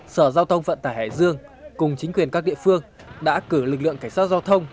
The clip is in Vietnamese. sở giao thông vận tải hải dương cùng chính quyền các địa phương đã cử lực lượng cảnh sát giao thông